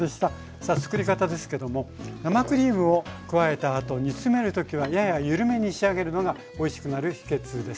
さあつくり方ですけども生クリームを加えたあと煮詰める時はややゆるめに仕上げるのがおいしくなる秘けつです。